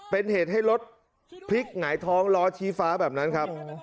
เป็นเหตุให้รถพลิกหงายท้องล้อชี้ฟ้าแบบนั้นครับ